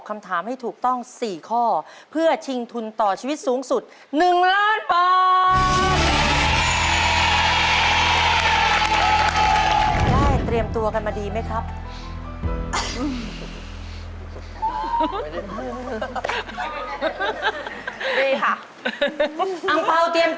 อังเปล่าเตรียมตัวกันมาดีไหมครับลูก